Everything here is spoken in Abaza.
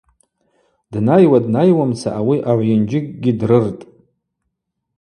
Днайуа, днайуамца ауи агӏв-Йынджьыгькӏгьи дрыртӏ.